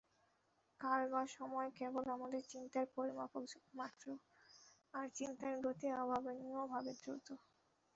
কাল বা সময় কেবল আমাদের চিন্তার পরিমাপক মাত্র, আর চিন্তার গতি অভাবনীয়ভাবে দ্রুত।